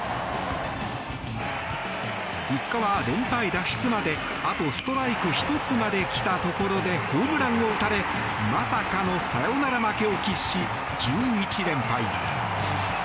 ５日は連敗脱出まであとストライク１つまで来たところでホームランを打たれまさかのサヨナラ負けを喫し１１連敗。